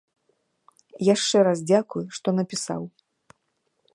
Яшчэ раз дзякуй, што напісаў.